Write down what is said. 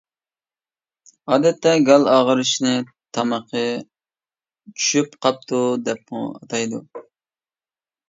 ئادەتتە گال ئاغرىشنى تامىقى چۈشۈپ قاپتۇ دەپمۇ ئاتايدۇ.